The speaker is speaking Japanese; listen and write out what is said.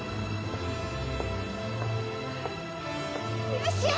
よっしゃ！